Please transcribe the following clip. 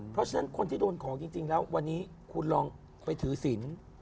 เพราะฉะนั้นคนที่โดนของจริงแล้ววันนี้คุณลองไปถือศิลป์